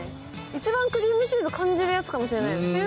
一番クリームチーズ、感じるやつかもしれない。